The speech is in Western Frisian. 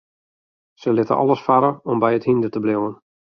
Se litte alles farre om by it hynder te bliuwen.